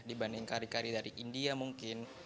dibanding kari kari dari india mungkin